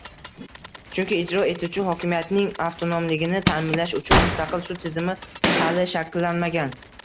Chunki ijro etuvchi hokimiyatning avtonomligini ta'minlash uchun mustaqil sud tizimi hali shakllanmagan